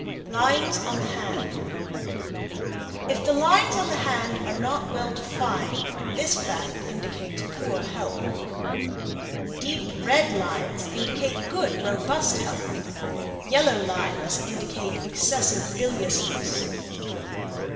Lines On the Hand. If the lines of the hand are not well defined, this fact indicates poor health. Deep red lines indicate good, robust health. Yellow lines indicate excessive biliousness.